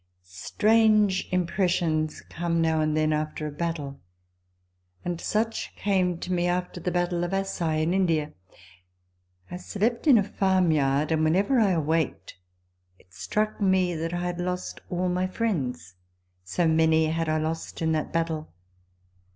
Strange impressions come now and then after a battle ; and such came to me after the battle of Assaye in India.* I slept in a farm yard ; and whenever I awaked, it struck me that I had lost all my friends, so many had I lost in that battle.